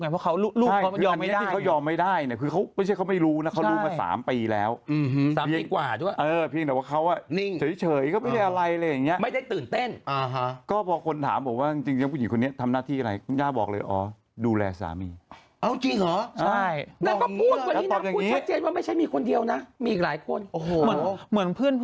ผมไม่เกลียวนะผมมาแทน